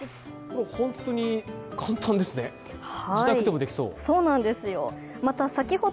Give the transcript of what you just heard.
本当に簡単ですね、自宅でもできそう。